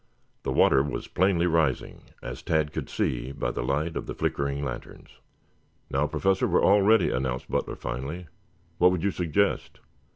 The water was plainly rising as Tad could see by the light of the flickering lanterns. "Now, Professor, we are all ready," announced Butler finally. "What would you suggest?"